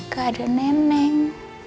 gak ada neneng